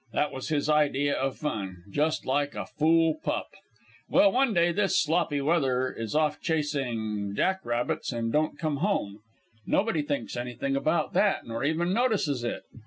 That was his idea of fun just like a fool pup. "Well, one day this Sloppy Weather is off chasing jack rabbits an' don't come home. Nobody thinks anything about that, nor even notices it.